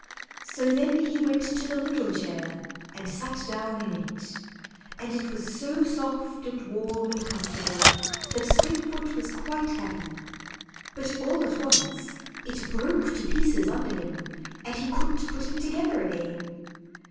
So then he went to the little chair and sat down in it, and it was so soft and warm and comfortable that Scrapefoot was quite happy; but all at once it broke to pieces under him and he couldn't put it together again!